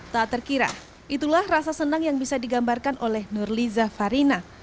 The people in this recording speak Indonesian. tak terkira itulah rasa senang yang bisa digambarkan oleh nurliza farina